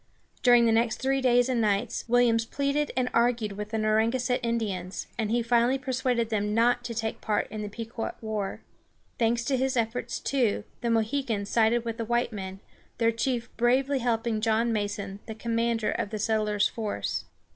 During the next three days and nights, Williams pleaded and argued with the Narragansett Indians, and he finally persuaded them not to take part in the Pequot war. Thanks to his efforts, too, the Mohegans sided with the white men, their chief bravely helping John Mason, the commander of the settlers' force.